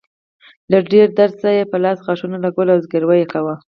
له ډیر درد څخه يې په لاس غاښونه لګول او زګیروی يې کاوه.